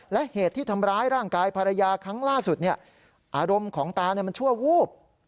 และเหตุที่ทำร้ายร่างกายภรรยาครั้งล่าสุดอารมณ์ของตามันชั่ววูบ